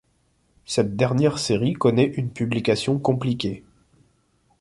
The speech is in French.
Cette dernière série connaît une publication compliquée.